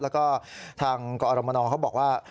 แล้วก็ทางกรมนเขาบอกว่า